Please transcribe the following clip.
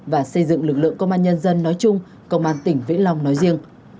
và xây dựng lực lượng công an nhân dân nói chung công an tỉnh vĩnh long nói riêng